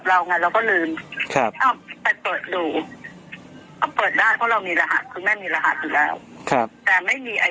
เพราะภาพเก่าอ่ะที่น้องโมถ่ายไว้อ่ะ